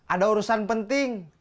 ada urusan penting